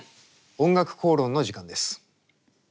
「おんがくこうろん」の時間です。